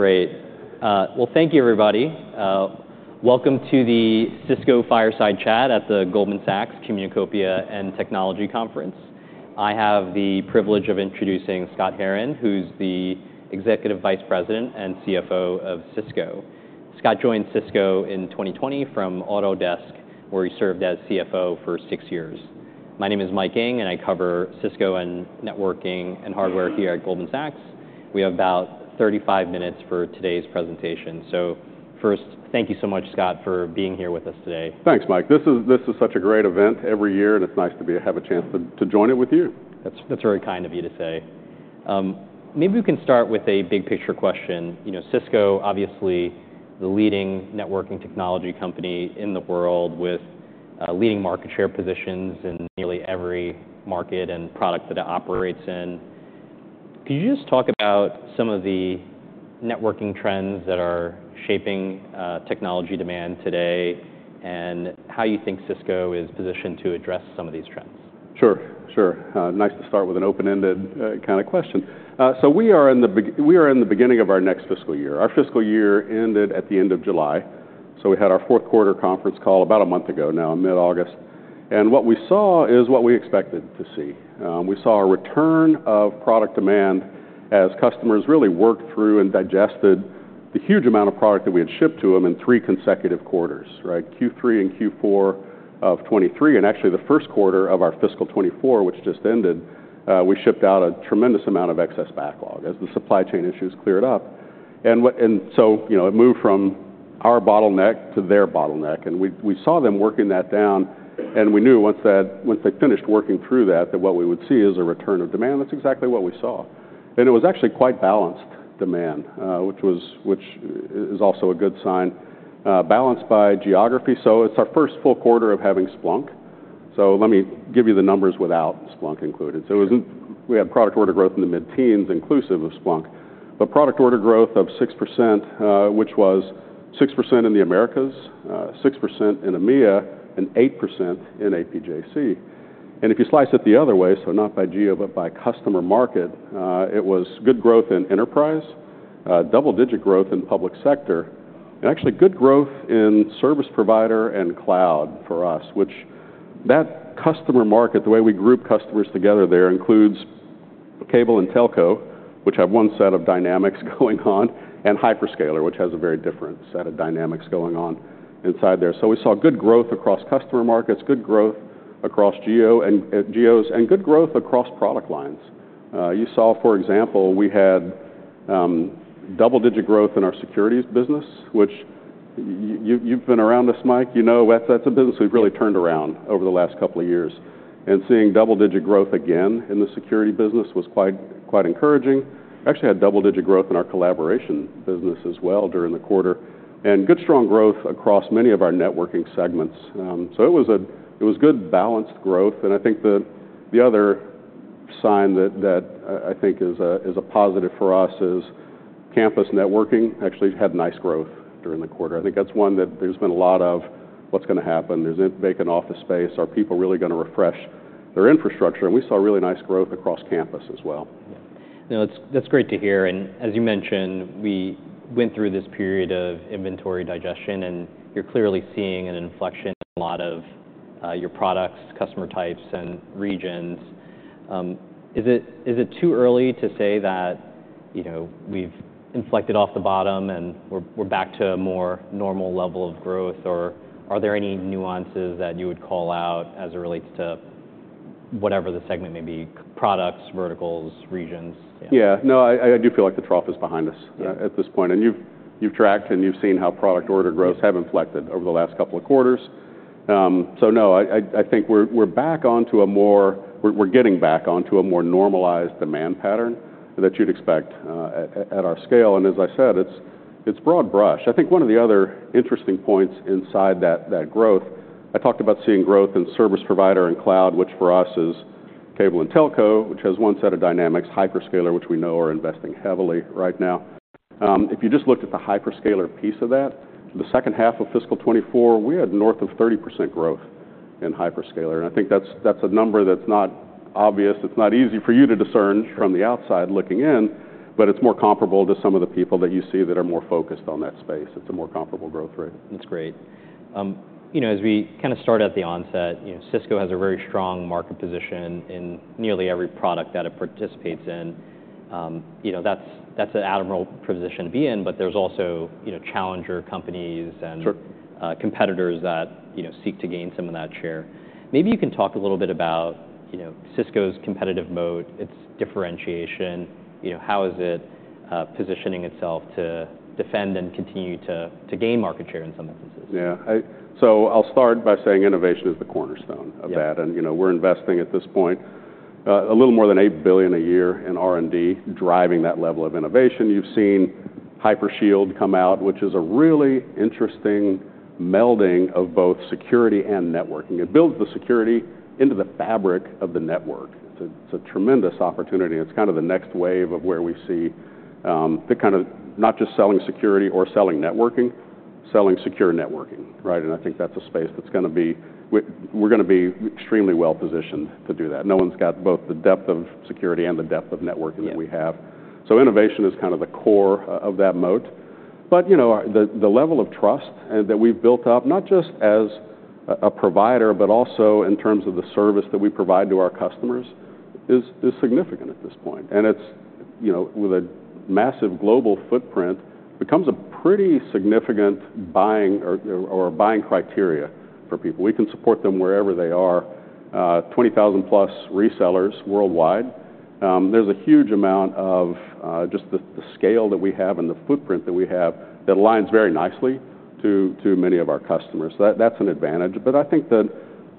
Great. Well, thank you, everybody. Welcome to the Cisco Fireside Chat at the Goldman Sachs Communacopia and Technology Conference. I have the privilege of introducing Scott Herren, who's the Executive Vice President and CFO of Cisco. Scott joined Cisco in 2020 from Autodesk, where he served as CFO for six years. My name is Mike Ng, and I cover Cisco, and networking, and hardware here at Goldman Sachs. We have about 35 minutes for today's presentation. So first, thank you so much, Scott, for being here with us today. Thanks, Mike. This is such a great event every year, and it's nice to have a chance to join it with you. That's very kind of you to say. Maybe we can start with a big picture question. You know, Cisco, obviously, the leading networking technology company in the world, with leading market share positions in nearly every market and product that it operates in. Could you just talk about some of the networking trends that are shaping technology demand today, and how you think Cisco is positioned to address some of these trends? Sure. Sure. Nice to start with an open-ended kind of question. So we are in the beginning of our next fiscal year. Our fiscal year ended at the end of July, so we had our fourth quarter conference call about a month ago now, in mid-August, and what we saw is what we expected to see. We saw a return of product demand as customers really worked through and digested the huge amount of product that we had shipped to them in three consecutive quarters, right? Q3 and Q4 of 2023, and actually, the first quarter of our fiscal 2024, which just ended, we shipped out a tremendous amount of excess backlog as the supply chain issues cleared up. And what... And so, you know, it moved from our bottleneck to their bottleneck, and we saw them working that down, and we knew once they finished working through that, that what we would see is a return of demand. That's exactly what we saw. And it was actually quite balanced demand, which is also a good sign, balanced by geography. So it's our first full quarter of having Splunk, so let me give you the numbers without Splunk included. So it wasn't... We had product order growth in the mid-teens, inclusive of Splunk, but product order growth of 6%, which was 6% in the Americas, 6% in EMEA, and 8% in APJC. If you slice it the other way, so not by geo but by customer market, it was good growth in enterprise, double-digit growth in public sector, and actually, good growth in service provider and cloud for us, which that customer market, the way we group customers together there, includes cable and telco, which have one set of dynamics going on, and hyperscaler, which has a very different set of dynamics going on inside there. We saw good growth across customer markets, good growth across geo and geos, and good growth across product lines. You saw, for example, we had double-digit growth in our security business, which you, you've been around us, Mike. You know, that's, that's a business we've really turned around over the last couple of years, and seeing double-digit growth again in the security business was quite, quite encouraging. We actually had double-digit growth in our collaboration business as well during the quarter, and good, strong growth across many of our networking segments. So it was good, balanced growth, and I think the other sign that I think is a positive for us is campus networking actually had nice growth during the quarter. I think that's one that there's been a lot of, "What's gonna happen? There's vacant office space. Are people really gonna refresh their infrastructure?" And we saw really nice growth across campus as well. Yeah. No, that's, that's great to hear, and as you mentioned, we went through this period of inventory digestion, and you're clearly seeing an inflection in a lot of your products, customer types, and regions. Is it too early to say that, you know, we've inflected off the bottom, and we're, we're back to a more normal level of growth, or are there any nuances that you would call out as it relates to whatever the segment may be, products, verticals, regions? Yeah. No, I do feel like the trough is behind us- Yeah... at this point, and you've tracked, and you've seen how product order growth have inflected over the last couple of quarters. So no, I think we're back onto a more... We're getting back onto a more normalized demand pattern that you'd expect at our scale, and as I said, it's broad brush. I think one of the other interesting points inside that growth, I talked about seeing growth in service provider and cloud, which for us is cable and telco, which has one set of dynamics, hyperscaler, which we know are investing heavily right now. If you just looked at the hyperscaler piece of that, the second half of fiscal 2024, we had north of 30% growth in hyperscaler, and I think that's a number that's not obvious. It's not easy for you to discern from the outside looking in, but it's more comparable to some of the people that you see that are more focused on that space. It's a more comparable growth rate. That's great. You know, as we kind of start at the onset, you know, Cisco has a very strong market position in nearly every product that it participates in. You know, that's, that's an admirable position to be in, but there's also, you know, challenger companies and- Sure... competitors that, you know, seek to gain some of that share. Maybe you can talk a little bit about, you know, Cisco's competitive mode, its differentiation, you know, how is it positioning itself to defend and continue to gain market share in some instances? Yeah, so I'll start by saying innovation is the cornerstone of that. Yeah. You know, we're investing at this point a little more than $8 billion a year in R&D, driving that level of innovation. You've seen Hypershield come out, which is a really interesting melding of both security and networking. It builds the security into the fabric of the network. It's a tremendous opportunity, and it's kind of the next wave of where we see the kind of not just selling security or selling networking - selling secure networking, right? And I think that's a space that's gonna be - we're gonna be extremely well-positioned to do that. No one's got both the depth of security and the depth of networking - Yeah that we have. Innovation is kind of the core of that moat. But you know, our the level of trust that we've built up, not just as a provider, but also in terms of the service that we provide to our customers, is significant at this point. And it's you know, with a massive global footprint, becomes a pretty significant buying or a buying criteria for people. We can support them wherever they are. 20,000+ resellers worldwide. There's a huge amount of just the scale that we have and the footprint that we have, that aligns very nicely to many of our customers. So that's an advantage. But I think that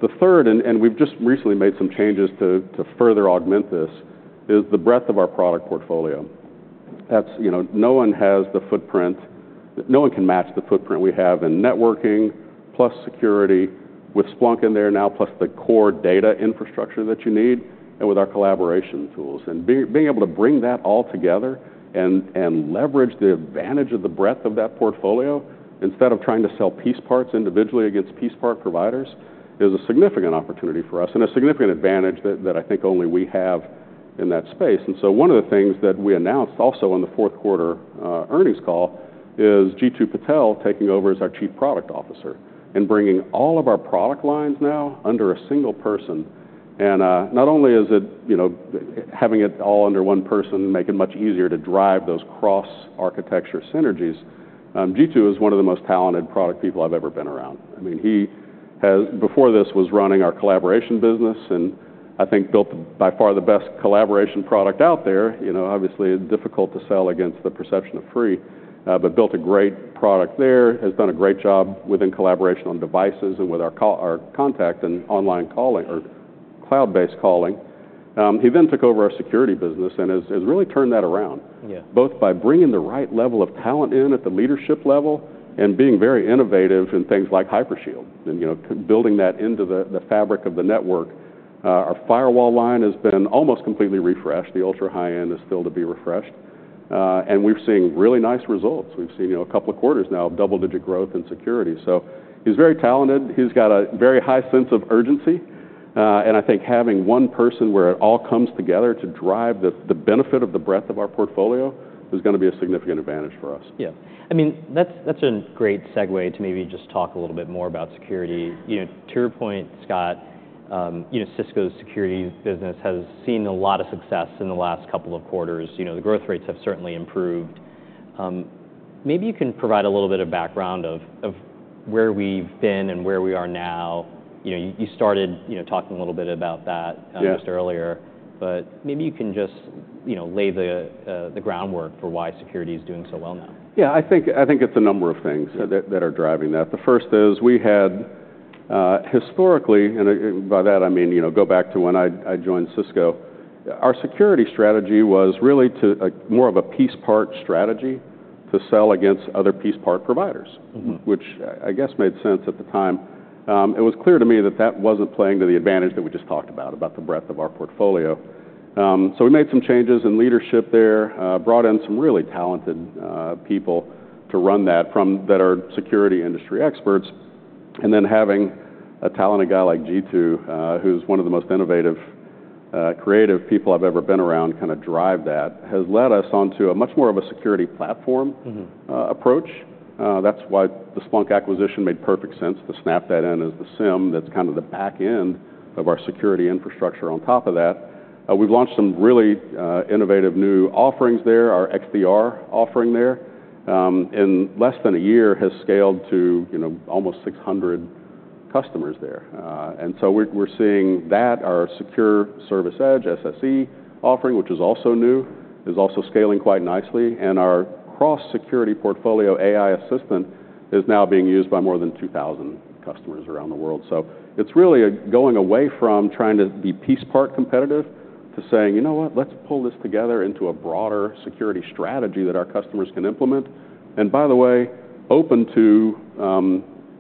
the third, and we've just recently made some changes to further augment this, is the breadth of our product portfolio. That's, you know, no one has the footprint—no one can match the footprint we have in networking, plus security, with Splunk in there now, plus the core data infrastructure that you need, and with our collaboration tools. And being able to bring that all together and leverage the advantage of the breadth of that portfolio, instead of trying to sell piece parts individually against piece part providers, is a significant opportunity for us, and a significant advantage that I think only we have in that space. And so one of the things that we announced also on the fourth quarter earnings call is Jeetu Patel taking over as our Chief Product Officer, and bringing all of our product lines now under a single person. And, not only is it, you know, having it all under one person, make it much easier to drive those cross-architecture synergies. Jeetu is one of the most talented product people I've ever been around. I mean, he has... Before this, was running our collaboration business, and I think built by far the best collaboration product out there. You know, obviously, difficult to sell against the perception of free, but built a great product there. Has done a great job within collaboration on devices and with our call- our contact and online calling or cloud-based calling. He then took over our security business and has really turned that around- Yeah... both by bringing the right level of talent in at the leadership level, and being very innovative in things like Hypershield, and, you know, building that into the fabric of the network. Our firewall line has been almost completely refreshed. The ultra-high-end is still to be refreshed. And we've seen really nice results. We've seen, you know, a couple of quarters now of double-digit growth in security. So he's very talented. He's got a very high sense of urgency, and I think having one person where it all comes together to drive the benefit of the breadth of our portfolio, is gonna be a significant advantage for us. Yeah. I mean, that's a great segue to maybe just talk a little bit more about security. You know, to your point, Scott, you know, Cisco's security business has seen a lot of success in the last couple of quarters. You know, the growth rates have certainly improved. Maybe you can provide a little bit of background of where we've been and where we are now. You know, you started you know talking a little bit about that- Yeah... just earlier, but maybe you can just, you know, lay the groundwork for why security is doing so well now. Yeah, I think it's a number of things... Yeah That are driving that. The first is, we had historically, and by that, I mean, you know, go back to when I joined Cisco, our security strategy was really to more of a piece part strategy to sell against other piece part providers. Mm-hmm. Which I guess made sense at the time. It was clear to me that that wasn't playing to the advantage that we just talked about, about the breadth of our portfolio. So we made some changes in leadership there, brought in some really talented people to run that. That are security industry experts. And then having a talented guy like Jeetu, who's one of the most innovative, creative people I've ever been around, kinda drive that, has led us onto a much more of a security platform- Mm-hmm... approach. That's why the Splunk acquisition made perfect sense. The Snap and the SIEM, that's kind of the back-end of our security infrastructure on top of that. We've launched some really innovative new offerings there. Our XDR offering there, in less than a year, has scaled to, you know, almost 600 customers there. And so we're seeing that, our Secure Service Edge, SSE, offering, which is also new, is also scaling quite nicely. Our cross-security portfolio AI assistant is now being used by more than 2,000 customers around the world. It's really going away from trying to be piece part competitive, to saying, "You know what? Let's pull this together into a broader security strategy that our customers can implement." And by the way, open to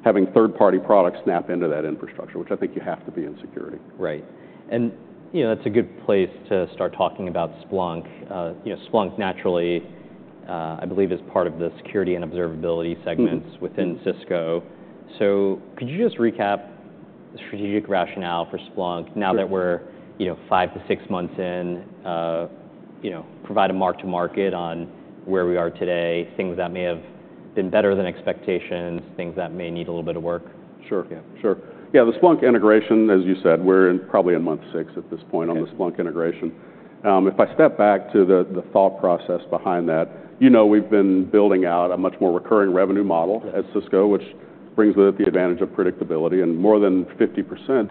having third-party products snap into that infrastructure, which I think you have to be in security. Right. And, you know, that's a good place to start talking about Splunk. You know, Splunk naturally, I believe, is part of the security and observability segments. Mm-hmm... within Cisco. So could you just recap the strategic rationale for Splunk now- Sure... that we're, you know, five-to-six months in, you know, provide a mark to market on where we are today, things that may have been better than expectations, things that may need a little bit of work? Sure. Yeah. Sure. Yeah, the Splunk integration, as you said, we're probably in month six at this point. Okay... on the Splunk integration. If I step back to the thought process behind that, you know, we've been building out a much more recurring revenue model at Cisco- Yeah... which brings with it the advantage of predictability, and more than 50%,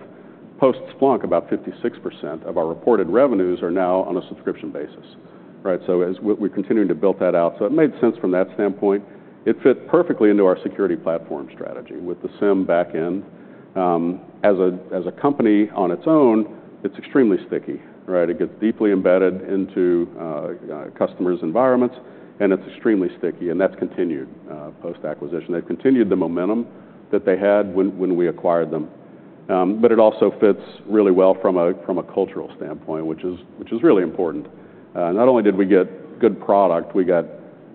post Splunk, about 56% of our reported revenues are now on a subscription basis, right? So as we're continuing to build that out, so it made sense from that standpoint. It fit perfectly into our security platform strategy with the SIEM back-end. As a company on its own, it's extremely sticky, right? It gets deeply embedded into customers' environments, and it's extremely sticky, and that's continued post-acquisition. They've continued the momentum that they had when we acquired them. But it also fits really well from a cultural standpoint, which is really important. Not only did we get good product, we got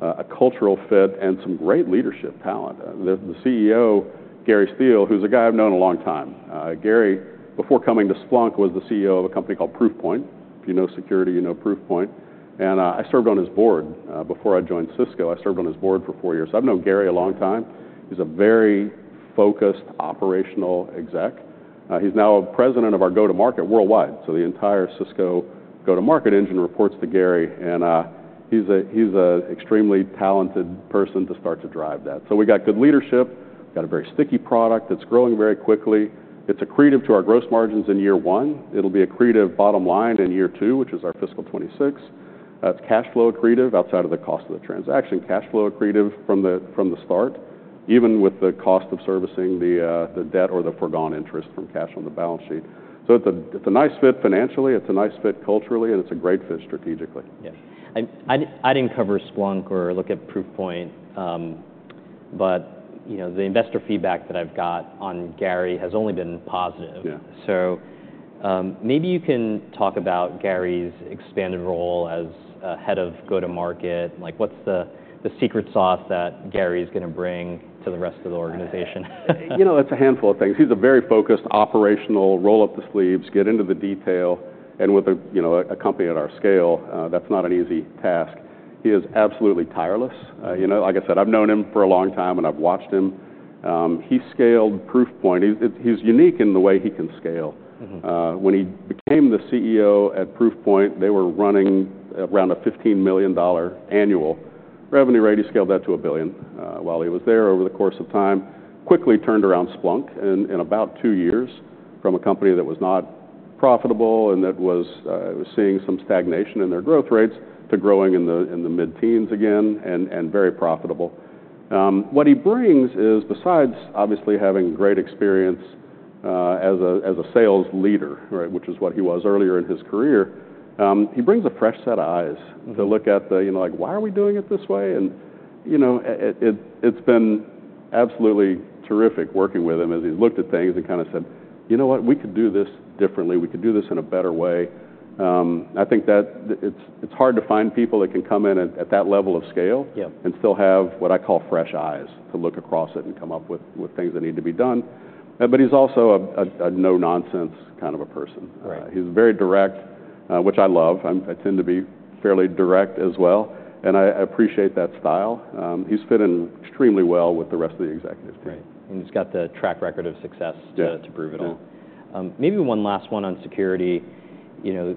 a cultural fit and some great leadership talent. The CEO, Gary Steele, who's a guy I've known a long time. Gary, before coming to Splunk, was the CEO of a company called Proofpoint. If you know security, you know Proofpoint. And I served on his board before I joined Cisco. I served on his board for four years. So I've known Gary a long time. He's a very focused, operational exec. He's now president of our go-to-market worldwide, so the entire Cisco go-to-market engine reports to Gary, and he's an extremely talented person to start to drive that. So we got good leadership, got a very sticky product that's growing very quickly. It's accretive to our gross margins in year one. It'll be accretive bottom line in year two, which is our fiscal 2026. It's cash flow accretive outside of the cost of the transaction. Cash flow accretive from the start, even with the cost of servicing the debt or the foregone interest from cash on the balance sheet. So it's a nice fit financially, it's a nice fit culturally, and it's a great fit strategically. Yes. I didn't cover Splunk or look at Proofpoint, but, you know, the investor feedback that I've got on Gary has only been positive. Yeah. Maybe you can talk about Gary's expanded role as Head of Go-to-Market. Like, what's the secret sauce that Gary's gonna bring to the rest of the organization? You know, it's a handful of things. He's a very focused, operational, roll up the sleeves, get into the detail, and with a, you know, a company at our scale, that's not an easy task. He is absolutely tireless. You know, like I said, I've known him for a long time, and I've watched him. He scaled Proofpoint. He is unique in the way he can scale. Mm-hmm. When he became the CEO at Proofpoint, they were running around a $15 million annual revenue rate. He scaled that to a $1 billion, while he was there over the course of time. Quickly turned around Splunk in about two years from a company that was not profitable and that was seeing some stagnation in their growth rates, to growing in the mid-teens again, and very profitable. What he brings is, besides obviously having great experience, as a sales leader, right, which is what he was earlier in his career, he brings a fresh set of eyes- Mm... to look at the, you know, like, "Why are we doing it this way?" and, you know, it's been absolutely terrific working with him as he's looked at things and kind of said, "You know what? We could do this differently. We could do this in a better way." I think that the... it's hard to find people that can come in at that level of scale- Yeah... and still have what I call fresh eyes to look across it and come up with things that need to be done, but he's also a no-nonsense kind of a person. Right. He's very direct, which I love. I tend to be fairly direct as well, and I appreciate that style. He's fit in extremely well with the rest of the executive team. Right. And he's got the track record of success- Yeah... to prove it all. Yeah. Maybe one last one on security. You know,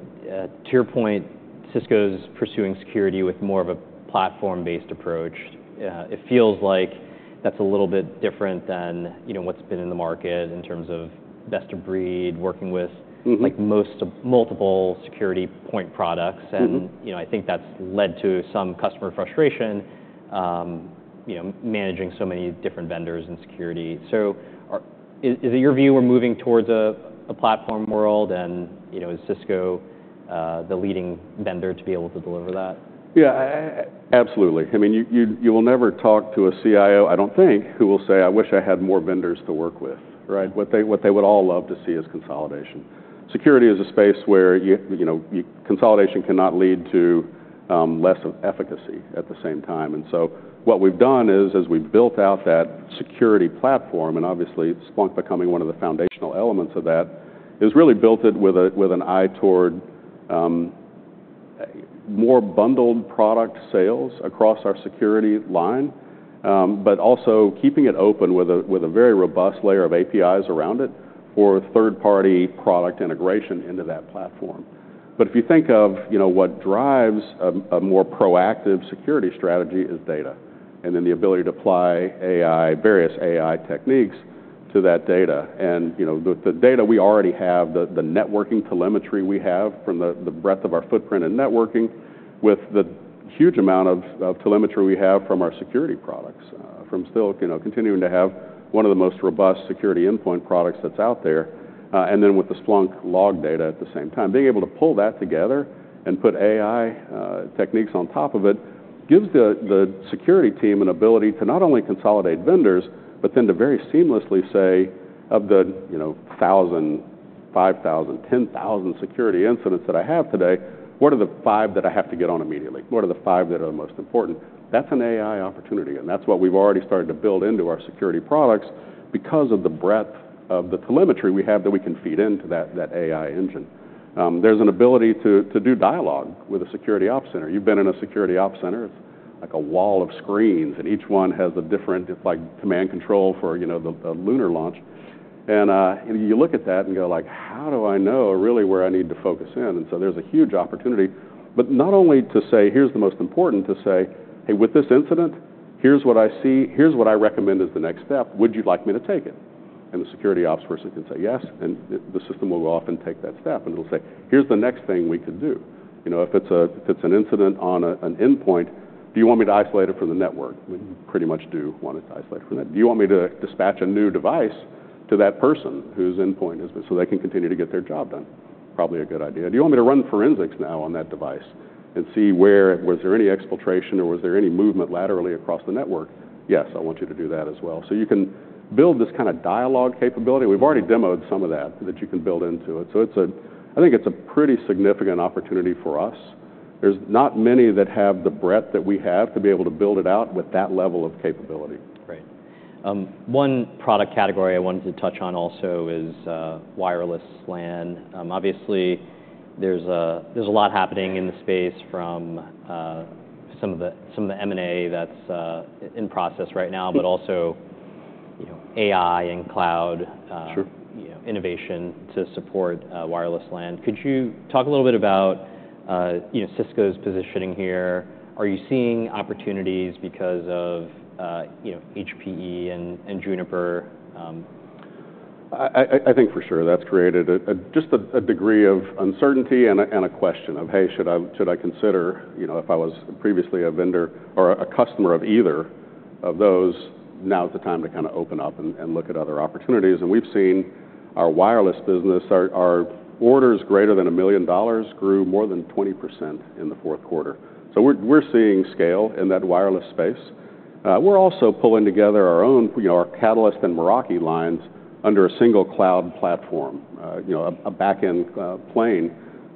to your point, Cisco's pursuing security with more of a platform-based approach. It feels like that's a little bit different than, you know, what's been in the market in terms of best of breed, working with- Mm-hmm... like, multiple security point products. Mm-hmm. You know, I think that's led to some customer frustration, you know, managing so many different vendors and security. So is it your view we're moving towards a platform world, and, you know, is Cisco the leading vendor to be able to deliver that? Yeah, absolutely. I mean, you will never talk to a CIO, I don't think, who will say, "I wish I had more vendors to work with," right? What they would all love to see is consolidation. Security is a space where you know consolidation cannot lead to less of efficacy at the same time. And so what we've done is, as we've built out that security platform, and obviously Splunk becoming one of the foundational elements of that, is really built it with an eye toward more bundled product sales across our security line. But also keeping it open with a very robust layer of APIs around it for third-party product integration into that platform. But if you think of, you know, what drives a more proactive security strategy is data, and then the ability to apply AI, various AI techniques, to that data. And, you know, the data we already have, the networking telemetry we have from the breadth of our footprint in networking with the huge amount of telemetry we have from our security products, from still, you know, continuing to have one of the most robust security endpoint products that's out there, and then with the Splunk log data at the same time. Being able to pull that together and put AI techniques on top of it gives the security team an ability to not only consolidate vendors, but then to very seamlessly say, of the, you know, thousand, five thousand, ten thousand security incidents that I have today, what are the five that I have to get on immediately? What are the five that are the most important? That's an AI opportunity, and that's what we've already started to build into our security products because of the breadth of the telemetry we have that we can feed into that AI engine. There's an ability to do dialogue with the security op center. You've been in a security op center. It's like a wall of screens, and each one has a different. It's like command and control for, you know, a lunar launch. You look at that and go like: How do I know really where I need to focus in? So there's a huge opportunity, but not only to say, "Here's the most important," to say, "Hey, with this incident, here's what I see. Here's what I recommend as the next step. Would you like me to take it?" The security ops person can say, "Yes," and the system will go off and take that step, and it'll say, "Here's the next thing we could do." You know, if it's an incident on an endpoint, "Do you want me to isolate it from the network?" We pretty much do want it isolated from that. "Do you want me to dispatch a new device to that person whose endpoint is... so they can continue to get their job done?"... Probably a good idea. Do you want me to run forensics now on that device and see where was there any exfiltration or was there any movement laterally across the network? Yes, I want you to do that as well. So you can build this kind of dialogue capability. We've already demoed some of that, that you can build into it. So it's a. I think it's a pretty significant opportunity for us. There's not many that have the breadth that we have to be able to build it out with that level of capability. Great. One product category I wanted to touch on also is wireless LAN. Obviously, there's a lot happening in the space from some of the M&A that's in process right now, but also, you know, AI and cloud. Sure... you know, innovation to support, wireless LAN. Could you talk a little bit about, you know, Cisco's positioning here? Are you seeing opportunities because of, you know, HPE and Juniper? I think for sure that's created a degree of uncertainty and a question of, "Hey, should I consider, you know, if I was previously a vendor or a customer of either of those, now's the time to kind of open up and look at other opportunities?" And we've seen our wireless business, our orders greater than $1 million grew more than 20% in the fourth quarter. So we're seeing scale in that wireless space. We're also pulling together our own, you know, our Catalyst and Meraki lines under a single cloud platform, you know, a backend plane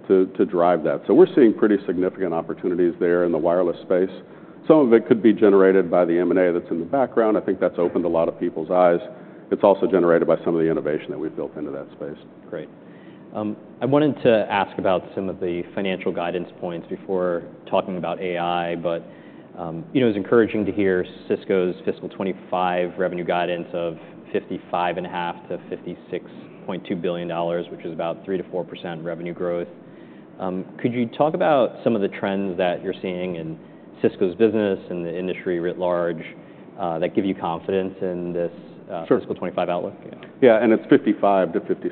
to drive that. So we're seeing pretty significant opportunities there in the wireless space. Some of it could be generated by the M&A that's in the background. I think that's opened a lot of people's eyes. It's also generated by some of the innovation that we've built into that space. Great. I wanted to ask about some of the financial guidance points before talking about AI, but, you know, it's encouraging to hear Cisco's fiscal 2025 revenue guidance of $55.5 billion-$56.2 billion, which is about 3%-4% revenue growth. Could you talk about some of the trends that you're seeing in Cisco's business and the industry writ large, that give you confidence in this? Sure... fiscal 2025 outlook? Yeah, and it's 55-56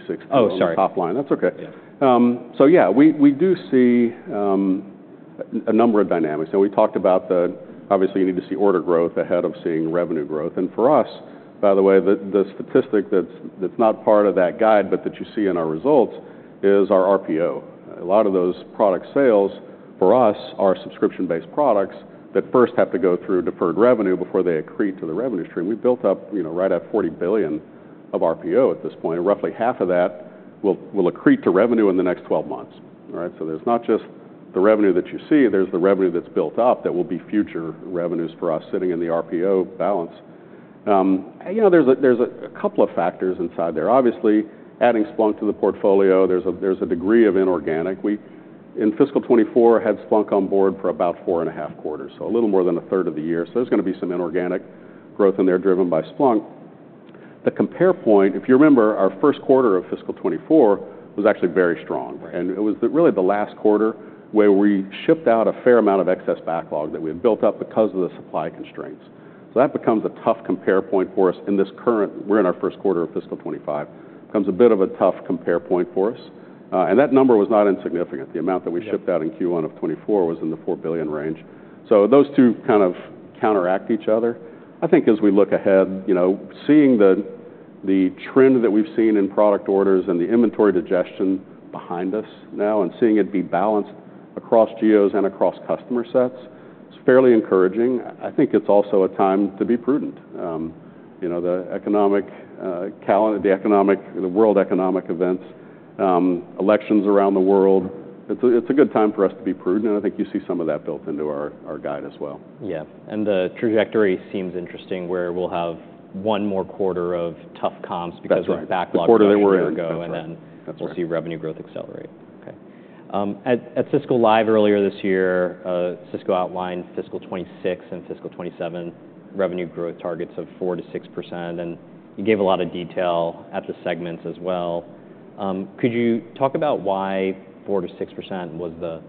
point- Oh, sorry... top line. That's okay. Yeah. So yeah, we do see a number of dynamics, and we talked about the... Obviously you need to see order growth ahead of seeing revenue growth. And for us, by the way, the statistic that's not part of that guide, but that you see in our results, is our RPO. A lot of those product sales for us are subscription-based products that first have to go through deferred revenue before they accrete to the revenue stream. We've built up, you know, right at $40 billion of RPO at this point, and roughly half of that will accrete to revenue in the next 12 months. All right? So there's not just the revenue that you see, there's the revenue that's built up that will be future revenues for us sitting in the RPO balance. You know, there's a couple of factors inside there. Obviously, adding Splunk to the portfolio, there's a degree of inorganic. We, in fiscal 2024, had Splunk on board for about four and a half quarters, so a little more than a third of the year. So there's gonna be some inorganic growth in there driven by Splunk. The compare point, if you remember, our first quarter of fiscal 2024 was actually very strong. Right. It was really the last quarter where we shipped out a fair amount of excess backlog that we had built up because of the supply constraints. That becomes a tough compare point for us in this current... We're in our first quarter of fiscal 2025. Becomes a bit of a tough compare point for us. That number was not insignificant. Yeah. The amount that we shipped out in Q1 of 2024 was in the $4 billion range. So those two kind of counteract each other. I think as we look ahead, you know, seeing the trend that we've seen in product orders and the inventory digestion behind us now, and seeing it be balanced across geos and across customer sets, it's fairly encouraging. I think it's also a time to be prudent. You know, the economic, the world economic events, elections around the world, it's a good time for us to be prudent, and I think you see some of that built into our guide as well. Yeah, and the trajectory seems interesting, where we'll have one more quarter of tough comps- That's right... because of backlog from a year ago. The quarter we're in. And then- That's right... we'll see revenue growth accelerate. Okay. At Cisco Live earlier this year, Cisco outlined fiscal 2026 and fiscal 2027 revenue growth targets of 4%-6%, and you gave a lot of detail at the segments as well. Could you talk about why 4%-6% was the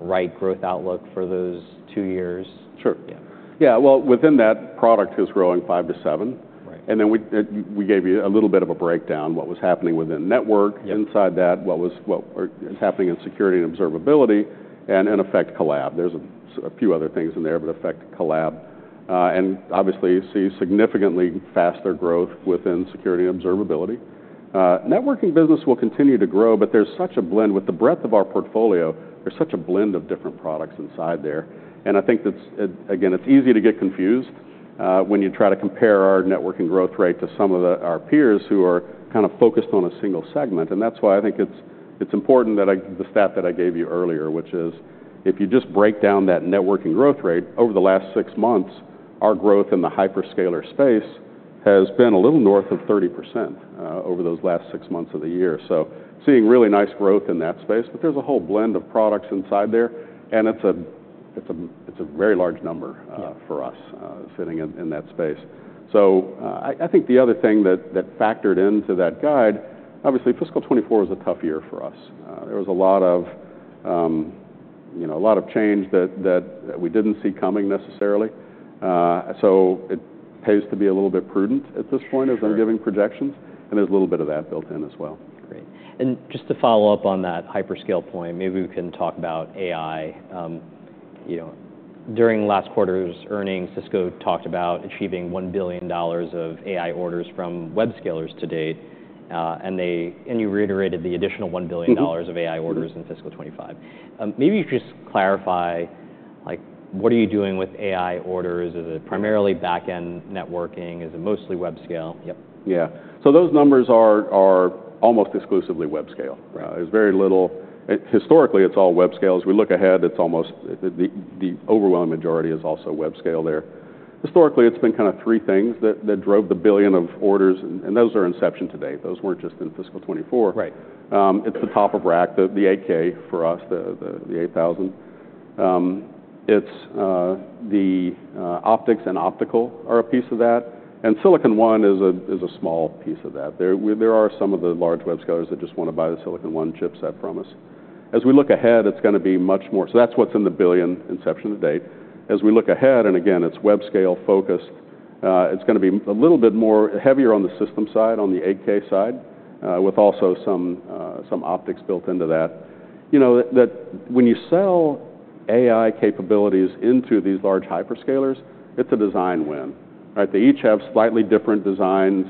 right growth outlook for those two years? Sure. Yeah. Yeah. Well, within that, product is growing five to seven. Right. And then we gave you a little bit of a breakdown what was happening within network. Yeah. Inside that, what is happening in security and observability and in networking, collab. There's a few other things in there, but networking, collab, and obviously, you see significantly faster growth within security and observability. Networking business will continue to grow, but there's such a blend. With the breadth of our portfolio, there's such a blend of different products inside there, and I think that's... Again, it's easy to get confused, when you try to compare our networking growth rate to our peers who are kind of focused on a single segment. That's why I think it's important that I, the stat that I gave you earlier, which is, if you just break down that networking growth rate, over the last six months, our growth in the hyperscaler space has been a little north of 30%, over those last six months of the year. Seeing really nice growth in that space, but there's a whole blend of products inside there, and it's a very large number- Yeah... for us, sitting in that space. So, I think the other thing that factored into that guide, obviously fiscal 2024 was a tough year for us. There was a lot of, you know, a lot of change that we didn't see coming necessarily. So it pays to be a little bit prudent at this point- Sure... as we're giving projections, and there's a little bit of that built in as well. Great. And just to follow-up on that hyperscale point, maybe we can talk about AI. You know, during last quarter's earnings, Cisco talked about achieving $1 billion of AI orders from hyperscalers to date, and you reiterated the additional $1 billion. Mm-hmm of AI orders Mm-hmm In fiscal 2025. Maybe you could just clarify, like, what are you doing with AI orders? Is it primarily back-end networking? Is it mostly web scale? Yep. Yeah. So those numbers are almost exclusively web scale, right? There's very little. Historically, it's all web scale. As we look ahead, it's almost the overwhelming majority is also web scale there. Historically, it's been kind of three things that drove the billion of orders, and those are inception to date. Those weren't just in fiscal 2024. Right. It's the top-of-rack, the 8K for us, the 8,000. It's the optics and optical are a piece of that, and Silicon One is a small piece of that. There are some of the large web scalers that just want to buy the Silicon One chips from us. As we look ahead, it's gonna be much more. So that's what's in the billion inception to date. As we look ahead, and again, it's web scale focused, it's gonna be a little bit more heavier on the system side, on the 8K side, with also some optics built into that. You know, that when you sell AI capabilities into these large hyperscalers, it's a design win, right? They each have slightly different designs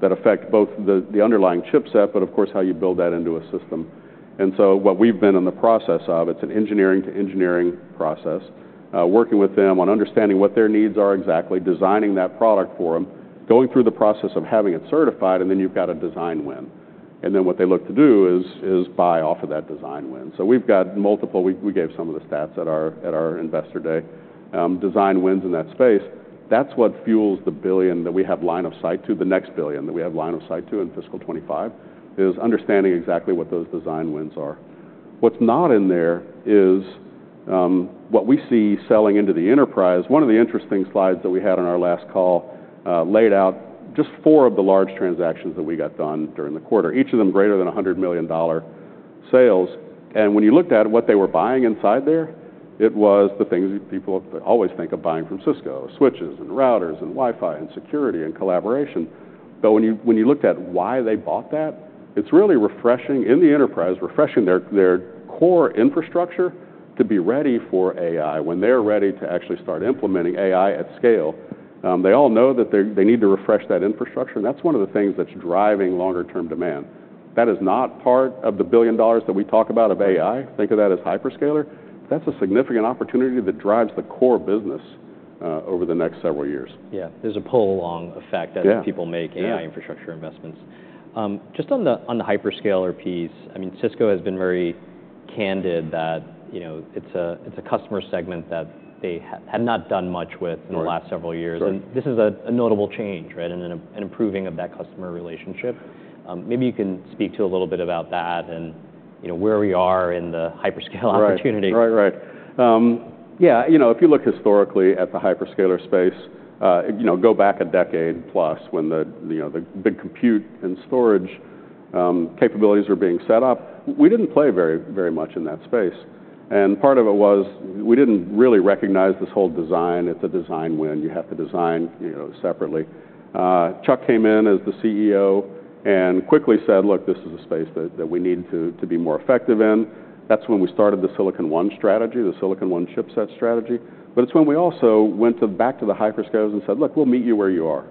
that affect both the underlying chipset, but of course, how you build that into a system. And so what we've been in the process of, it's an engineering-to-engineering process, working with them on understanding what their needs are exactly, designing that product for them, going through the process of having it certified, and then you've got a design win. And then what they look to do is buy off of that design win. So we've got multiple, we gave some of the stats at our Investor Day, design wins in that space. That's what fuels the billion that we have line of sight to, the next billion that we have line of sight to in fiscal 2025, is understanding exactly what those design wins are. What's not in there is what we see selling into the enterprise. One of the interesting slides that we had on our last call laid out just four of the large transactions that we got done during the quarter, each of them greater than $100 million sales, and when you looked at what they were buying inside there, it was the things people always think of buying from Cisco: switches, and routers, and Wi-Fi, and security, and collaboration, but when you looked at why they bought that, it's really refreshing in the enterprise, refreshing their core infrastructure to be ready for AI. When they're ready to actually start implementing AI at scale, they all know that they need to refresh that infrastructure, and that's one of the things that's driving longer term demand. That is not part of the billion dollars that we talk about of AI. Think of that as hyperscaler. That's a significant opportunity that drives the core business, over the next several years. Yeah. There's a pull-along effect- Yeah as people make Yeah -AI infrastructure investments. Just on the hyperscaler piece, I mean, Cisco has been very candid that, you know, it's a customer segment that they had not done much with- Right In the last several years. Right. And this is a notable change, right? And an improving of that customer relationship. Maybe you can speak to a little bit about that and, you know, where we are in the hyperscaler opportunity. Right. Right, right. Yeah, you know, if you look historically at the hyperscaler space, you know, go back a decade plus when the, you know, the big compute and storage capabilities were being set up, we didn't play very, very much in that space. And part of it was we didn't really recognize this whole design. It's a design win. You have to design, you know, separately. Chuck came in as the CEO and quickly said: Look, this is a space that we need to be more effective in. That's when we started the Silicon One strategy, the Silicon One chipset strategy. But it's when we also went back to the hyperscalers and said: Look, we'll meet you where you are.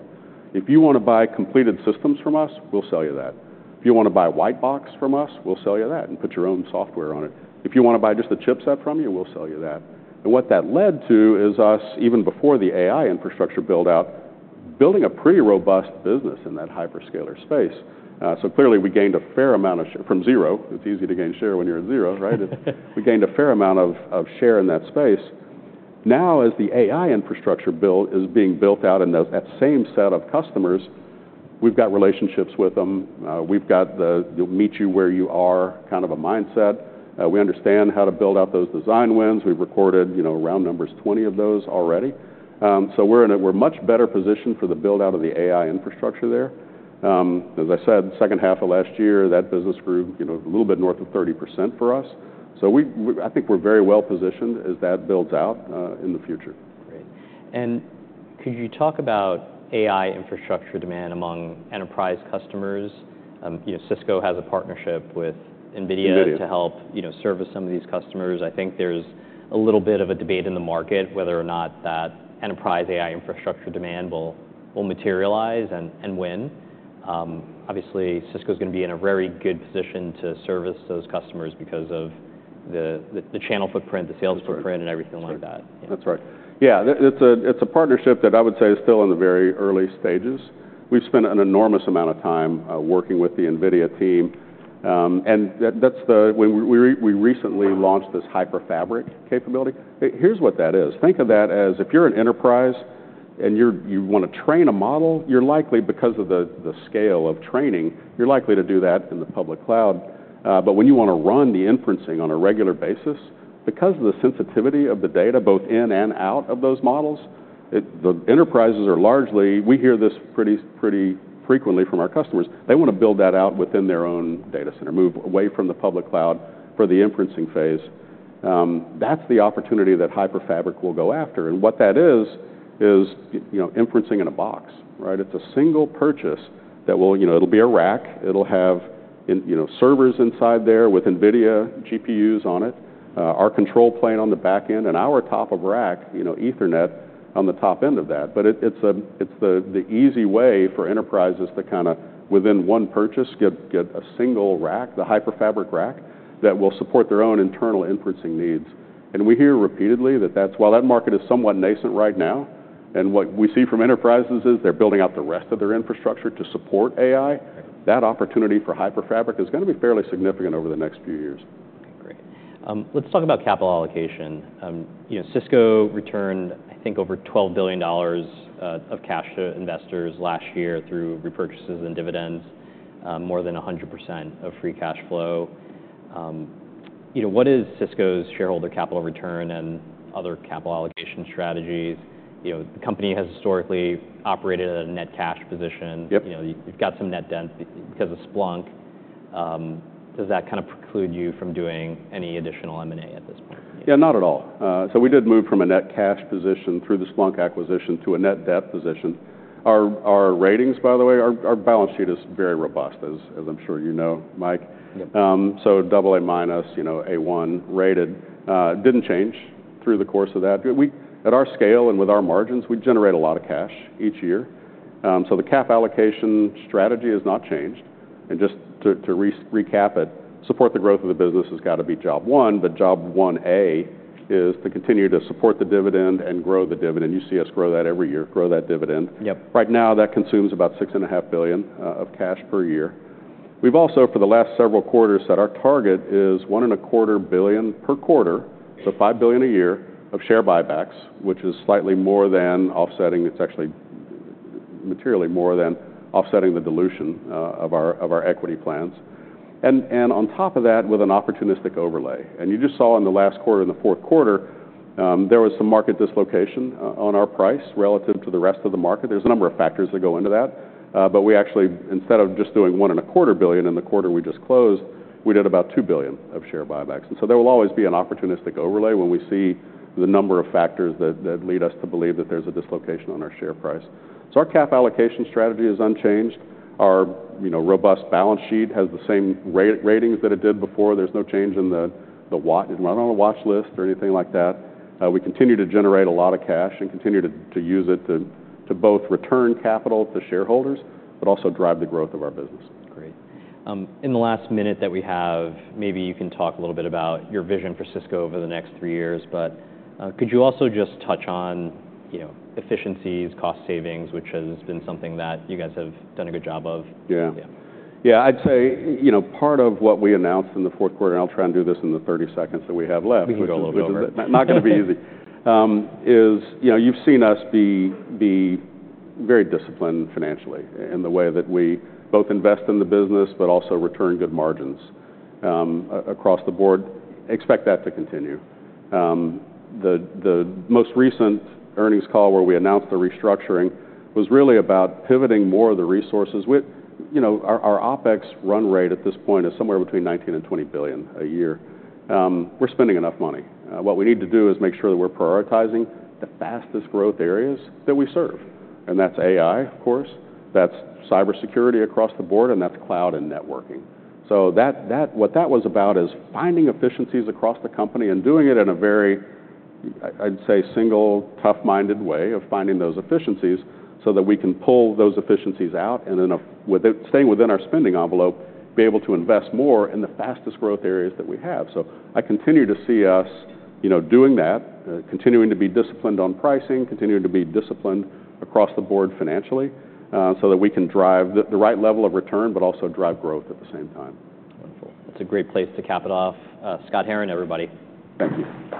If you want to buy completed systems from us, we'll sell you that. If you want to buy a white box from us, we'll sell you that and put your own software on it. If you want to buy just the chipset from you, we'll sell you that. And what that led to is us, even before the AI infrastructure build-out, building a pretty robust business in that hyperscaler space. So clearly, we gained a fair amount of share from zero. It's easy to gain share when you're at zero, right? We gained a fair amount of share in that space. Now, as the AI infrastructure build is being built out in that same set of customers, we've got relationships with them. We've got the "we'll meet you where you are" kind of a mindset. We understand how to build out those design wins. We've recorded, you know, round numbers, twenty of those already. So we're much better positioned for the build-out of the AI infrastructure there. As I said, second half of last year, that business grew, you know, a little bit north of 30% for us. So I think we're very well positioned as that builds out in the future. Great. And could you talk about AI infrastructure demand among enterprise customers? You know, Cisco has a partnership with NVIDIA- NVIDIA... to help, you know, service some of these customers. I think there's a little bit of a debate in the market whether or not that enterprise AI infrastructure demand will materialize, and when. Obviously, Cisco's gonna be in a very good position to service those customers because of the channel footprint, the sales footprint- That's right and everything like that. That's right. Yeah, it's a partnership that I would say is still in the very early stages. We've spent an enormous amount of time working with the NVIDIA team, and that we recently launched this HyperFabric capability. Here's what that is. Think of that as if you're an enterprise, and you want to train a model, you're likely, because of the scale of training, you're likely to do that in the public cloud. But when you want to run the inferencing on a regular basis, because of the sensitivity of the data, both in and out of those models, the enterprises are largely. We hear this pretty frequently from our customers. They want to build that out within their own data center, move away from the public cloud for the inferencing phase. That's the opportunity that HyperFabric will go after, and what that is is, you know, inferencing in a box, right? It's a single purchase that will... You know, it'll be a rack. It'll have in, you know, servers inside there with NVIDIA GPUs on it, our control plane on the back-end, and our top of rack, you know, Ethernet on the top end of that. But it's the easy way for enterprises to kind of, within one purchase, get a single rack, the HyperFabric rack, that will support their own internal inferencing needs. And we hear repeatedly that that's... While that market is somewhat nascent right now, and what we see from enterprises is they're building out the rest of their infrastructure to support AI- Right... that opportunity for HyperFabric is gonna be fairly significant over the next few years. Okay, great. Let's talk about capital allocation. You know, Cisco returned, I think, over $12 billion of cash to investors last year through repurchases and dividends, more than 100% of free cash flow. You know, what is Cisco's shareholder capital return and other capital allocation strategies? You know, the company has historically operated at a net cash position. Yep. You know, you've got some net debt because of Splunk. Does that kind of preclude you from doing any additional M&A at this point? Yeah, not at all. So we did move from a net cash position through the Splunk acquisition to a net debt position. Our ratings, by the way. Our balance sheet is very robust, as I'm sure you know, Mike. Yep. So AA-, you know, A1 rated, didn't change through the course of that. We at our scale and with our margins, we generate a lot of cash each year. So the capital allocation strategy has not changed. And just to recap it, support the growth of the business has got to be job one, but job one A is to continue to support the dividend and grow the dividend. You see us grow that every year, grow that dividend. Yep. Right now, that consumes about $6.5 billion of cash per year. We've also, for the last several quarters, said our target is $1.25 billion per quarter, so $5 billion a year, of share buybacks, which is slightly more than offsetting. It's actually materially more than offsetting the dilution of our equity plans, and on top of that, with an opportunistic overlay, and you just saw in the last quarter, in the fourth quarter, there was some market dislocation on our price relative to the rest of the market. There's a number of factors that go into that, but we actually, instead of just doing $1.25 billion in the quarter we just closed, we did about $2 billion of share buybacks. There will always be an opportunistic overlay when we see the number of factors that lead us to believe that there's a dislocation on our share price. Our capital allocation strategy is unchanged. Our, you know, robust balance sheet has the same ratings that it did before. There's no change in the way we're not on a watch list or anything like that. We continue to generate a lot of cash and continue to use it to both return capital to shareholders, but also drive the growth of our business. Great. In the last minute that we have, maybe you can talk a little bit about your vision for Cisco over the next three years, but could you also just touch on, you know, efficiencies, cost savings, which has been something that you guys have done a good job of? Yeah. Yeah. Yeah, I'd say, you know, part of what we announced in the fourth quarter, and I'll try and do this in the 30 seconds that we have left- We can go a little bit over.... which is not gonna be easy, you know, you've seen us be very disciplined financially in the way that we both invest in the business, but also return good margins, across the board. Expect that to continue. The most recent earnings call where we announced the restructuring was really about pivoting more of the resources. You know, our OpEx run rate at this point is somewhere between $19 billion and $20 billion a year. We're spending enough money. What we need to do is make sure that we're prioritizing the fastest growth areas that we serve, and that's AI, of course, that's cybersecurity across the board, and that's cloud and networking. So that what that was about is finding efficiencies across the company and doing it in a very, I'd say, single, tough-minded way of finding those efficiencies, so that we can pull those efficiencies out, and then staying within our spending envelope, be able to invest more in the fastest growth areas that we have. So I continue to see us, you know, doing that, continuing to be disciplined on pricing, continuing to be disciplined across the board financially, so that we can drive the right level of return, but also drive growth at the same time. Wonderful. That's a great place to cap it off. Scott Herren, everybody. Thank you.